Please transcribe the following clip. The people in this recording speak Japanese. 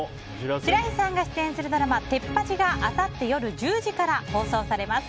白石さんが出演するドラマ「テッパチ！」があさって夜１０時から放送されます。